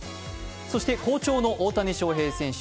そして好調の大谷翔平選手。